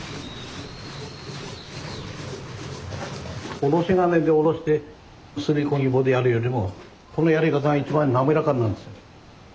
おろし金でおろしてすりこぎ棒でやるよりもこのやり方が一番滑らかになるんすよ。